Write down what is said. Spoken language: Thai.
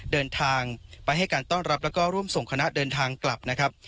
เดินทางไปให้การต้อนรับแล้วก็ร่วมส่งคณะเดินทางกลับนะครับ